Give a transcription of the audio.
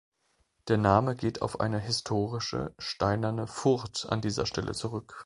Der Name geht auf eine historische, steinerne Furt an dieser Stelle zurück.